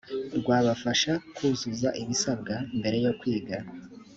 rw abafasha kuzuza ibisabwa mbere yo kwiga